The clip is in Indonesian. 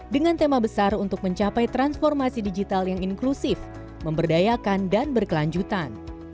dengan tema besar untuk mencapai transformasi digital yang inklusif memberdayakan dan berkelanjutan